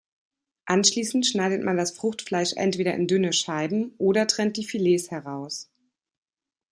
Anschließend schneidet man das Fruchtfleisch entweder in dünne Scheiben oder trennt die Filets heraus.